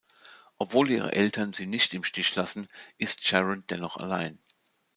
Obwohl ihre Eltern sie nicht im Stich lassen, ist Sharon dennoch allein.